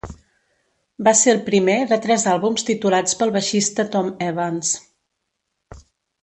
Va ser el primer de tres àlbums titulats pel baixista Tom Evans.